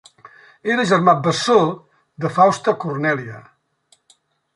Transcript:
Era germà bessó de Fausta Cornèlia.